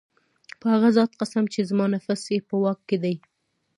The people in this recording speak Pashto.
په هغه ذات قسم چي زما نفس ئې په واك كي دی